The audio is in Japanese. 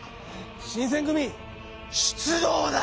新選組出動だ！